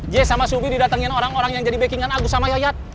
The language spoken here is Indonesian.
jay sama subi didatengin orang orang yang jadi backingan agus sama yoyat